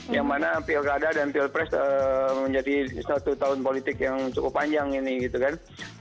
yang mana pilkada dan pilpres menjadi satu tahun politik yang cukup panjang ini gitu kan